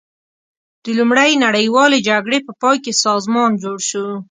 د لومړۍ نړیوالې جګړې په پای کې سازمان جوړ شو.